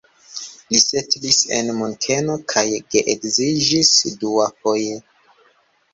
Li setlis en Munkeno kaj geedziĝis duafoje.